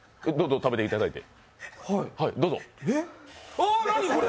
あ、何、これ。